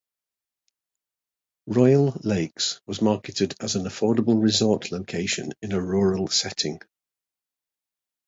Royal Lakes was marketed as an affordable resort location in a rural setting.